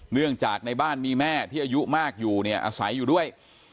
เนื่องจากในบ้านมีแม่ที่อายุมากอยู่เนี่ยอาศัยอยู่ด้วย